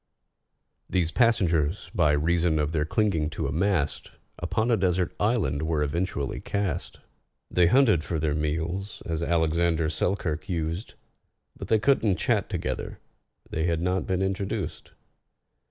These passengers, by reason of their clinging to a mast, Upon a desert island were eventually cast. They hunted for their meals, as ALEXANDER SELKIRK used, But they couldn't chat together—they had not been introduced.